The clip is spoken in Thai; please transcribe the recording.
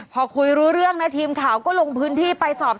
พอคุยรู้เรื่องนะทีมข่าวก็ลงพื้นที่ไปสอบ